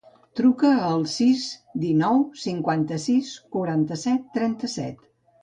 Truca al sis, dinou, cinquanta-sis, quaranta-set, trenta-set.